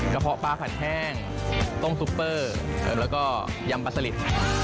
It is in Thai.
เพาะปลาผัดแห้งต้มซุปเปอร์แล้วก็ยำปลาสลิด